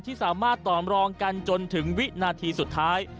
ที่สามารถต่อมรองกันจนถึงวินาทีสุดท้าย